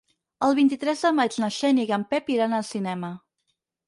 El vint-i-tres de maig na Xènia i en Pep iran al cinema.